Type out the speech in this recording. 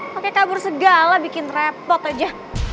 pakai kabur segala bikin repot aja